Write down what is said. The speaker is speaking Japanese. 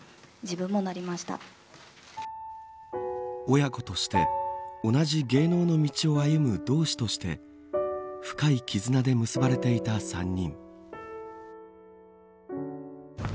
親子として同じ芸能の道を歩む同志として深い絆で結ばれていた３人。